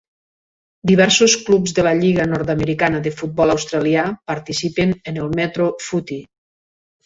Diversos clubs de la Lliga Nord-americana de Futbol Australià participen en el Metro Footy.